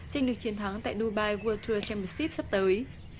giành được chiến thắng tại dubai world tour chamisis sắp tới